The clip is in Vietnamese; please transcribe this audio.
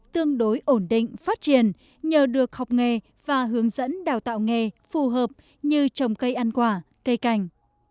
tương đối ổn định phát triển nhờ được học nghề và hướng dẫn đào tạo nghề phù hợp như trồng cây ăn quả cây cảnh